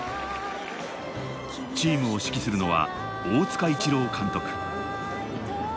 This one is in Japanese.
チームを指揮するのは大塚一朗監督。